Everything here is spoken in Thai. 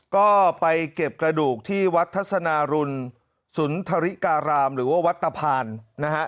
ก็ไปเก็บกระดูกที่วัดทัศนารุณสุนทริการามหรือว่าวัดตะพานนะฮะ